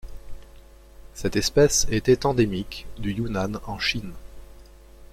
Cette espèce était endémique du Yunnan en Chine.